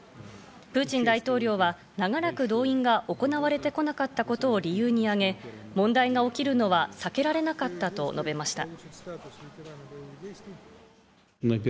プーチン大統領は長らく動員が行われてこなかったことを理由に挙げ、問題が起きるのは避けられなかったと述べました。